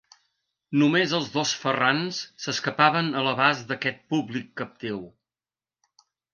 Només els dos Ferrans s'escapaven a l'abast d'aquest públic captiu.